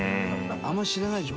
「あんまり知らないでしょ？